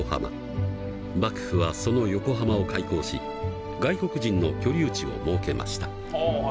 幕府はその横浜を開港し外国人の居留地を設けました。